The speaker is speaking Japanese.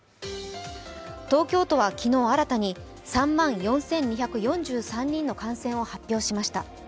東京都は昨日新たに、３万４２４３人の感染を発表しました。